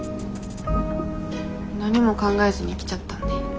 何も考えずに来ちゃったんで。